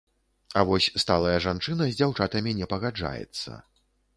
А вось сталая жанчына з дзяўчатамі не пагаджаецца.